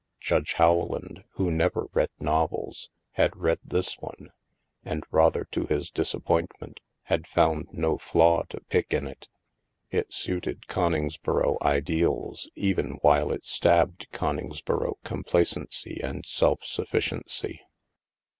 Judge Howland, who never read novels, had read this one and, rather to his disappointment, had found no flaw to pick in it. It suited Coningsboro ideals even while it stabbed Coningsboro complacency and self suffi ciency.